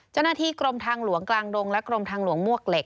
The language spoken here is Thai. เจ้าหน้าที่กรมทางหลวงกลางดงและกรมทางหลวงมวกเหล็ก